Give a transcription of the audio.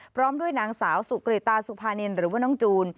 พร้อมด้วยนางสาวสุกริตาสุภานินหรือว่าน้องจูน